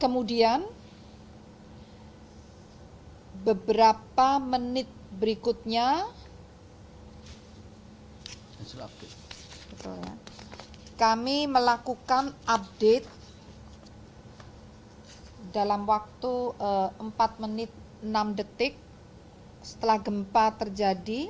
kemudian beberapa menit berikutnya kami melakukan update dalam waktu empat menit enam detik setelah gempa terjadi